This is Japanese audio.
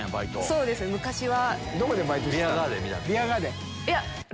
そうです昔は。